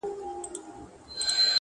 تا منلی راته جام وي د سرو لبو.